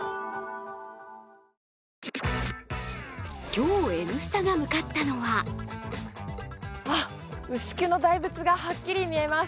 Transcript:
今日、「Ｎスタ」が向かったのはあ、牛久の大仏がはっきり見えます。